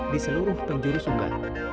di seluruh penjuru sumba